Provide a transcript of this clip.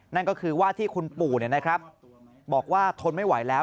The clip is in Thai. นั่นก็คือว่าที่คุณปู่บอกว่าทนไม่ไหวแล้ว